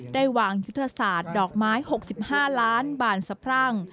ได้วางยุทธศาสตร์ดอกไม้๖๕ล้านบานสะพรั่ง